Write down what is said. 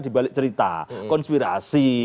dibalik cerita konspirasi